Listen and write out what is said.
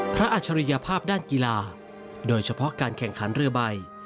อัจฉริยภาพด้านกีฬาโดยเฉพาะการแข่งขันเรือใบ